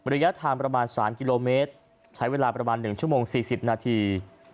ระยะทางประมาณ๓กิโลเมตรใช้เวลาประมาณ๑ชั่วโมง๔๐นาที